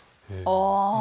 ああ。